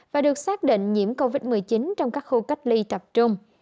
và được xác định nhiễm covid một mươi chín trong các khu cách ly tập trung